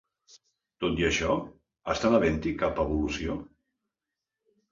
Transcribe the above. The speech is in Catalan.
Tot i això, estan havent-hi cap evolució?